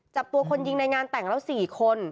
จับตัวคนยิงในงานแต่งแล้ว๔คน